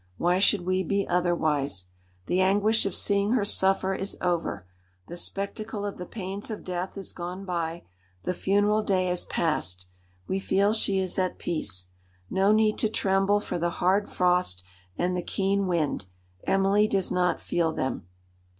Why should we be otherwise? The anguish of seeing her suffer is over; the spectacle of the pains of death is gone by; the funeral day is past. We feel she is at peace. No need to tremble for the hard frost and the keen wind. Emily does not feel them."